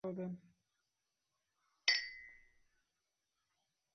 আর আমি অবাক হয়ে যাই যখন সমাজতান্ত্রিক সম্পাদকেরা আমাকে একটু উৎসাহ দেন।